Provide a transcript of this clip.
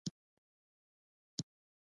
شنې ونې د هوا پاکولو لپاره مهمې دي.